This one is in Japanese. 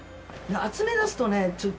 集めだすとねちょっと。